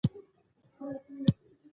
خوړل د ستړي کس قوت بحالوي